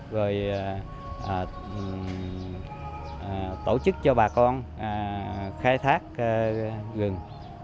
rồi tổ chức cho bà con khai thác rừng